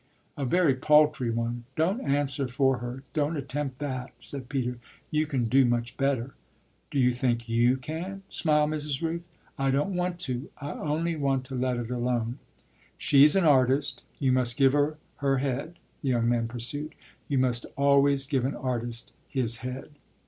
"A very paltry one. Don't answer for her, don't attempt that," said Peter. "You can do much better." "Do you think you can?" smiled Mrs. Rooth. "I don't want to; I only want to let it alone. She's an artist; you must give her her head," the young man pursued. "You must always give an artist his head."